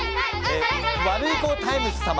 ワルイコタイムス様。